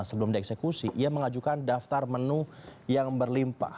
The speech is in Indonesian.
sebelum dieksekusi ia mengajukan daftar menu yang berlimpah